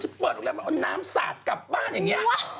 เปิดโรงแรมมาเอาน้ำสาดกลับบ้านอย่างนี้